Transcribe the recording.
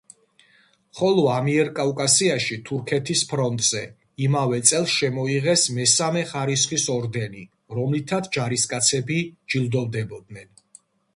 ხოლო ამიერკავკასიაში თურქეთის ფრონტზე, იმავე წელს შემოიღეს მესამე ხარისხის ორდენი, რომლითაც ჯარისკაცები ჯილდოვდებოდნენ.